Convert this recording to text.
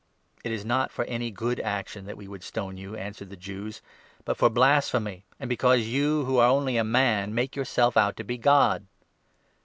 " "It is not for any good action that we would stone you," 33 answered the Jews, " but for blasphemy ; and because you, who are only a man, make yourself out to be God.